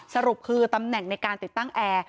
สรุปคือตำแหน่งในการติดตั้งแอร์